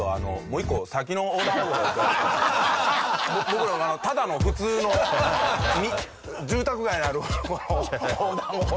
僕らただの普通の住宅街にある横断歩道で。